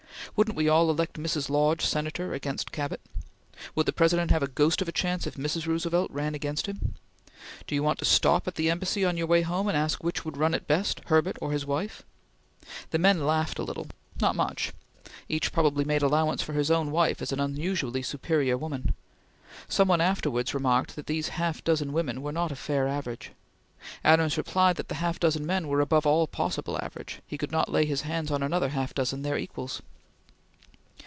Wouldn't we all elect Mrs. Lodge Senator against Cabot? Would the President have a ghost of a chance if Mrs. Roosevelt ran against him? Do you want to stop at the Embassy, on your way home, and ask which would run it best Herbert or his wife?" The men laughed a little not much! Each probably made allowance for his own wife as an unusually superior woman. Some one afterwards remarked that these half dozen women were not a fair average. Adams replied that the half dozen men were above all possible average; he could not lay his hands on another half dozen their equals.